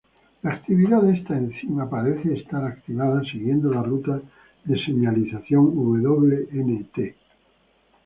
La actividad de esta enzima parece ser activada siguiendo la ruta de señalización Wnt.